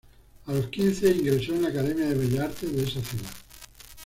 A los quince ingresó en la Academia de Bellas Artes de esa ciudad.